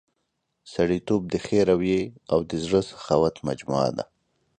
سړیتوب د ښې رويې او د زړه سخاوت مجموعه ده.